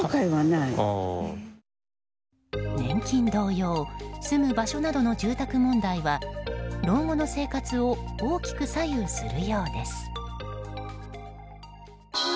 年金同様住む場所などの住宅問題は老後の生活を大きく左右するようです。